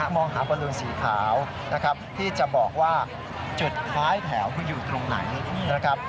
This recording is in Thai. มองหาบอลลูนสีขาวนะครับที่จะบอกว่าจุดท้ายแถวคืออยู่ตรงไหนนะครับ